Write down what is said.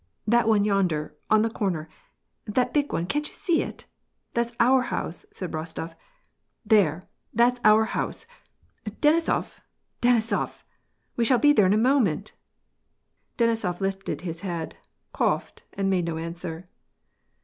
" That one yonder, on the corner, that big one, can't you see ? Thafs our house !" said Rostof. " There, that's our house !— Denisof ! Denisof ! We shall be there in a moment !" Denisof lifted his head, coughed, and made no answer.